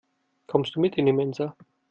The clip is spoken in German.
Kommst du mit in die Mensa?